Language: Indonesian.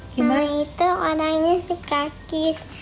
mama itu orangnya praktis